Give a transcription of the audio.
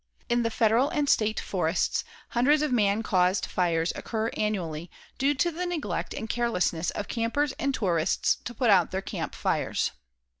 In the Federal and State forests hundreds of man caused fires occur annually, due to the neglect and carelessness of campers and tourists to put out their camp fires.